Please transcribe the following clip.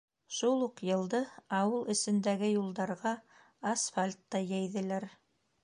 Шул уҡ йылды ауыл эсендәге юлдарға асфальт та йәйҙеләр.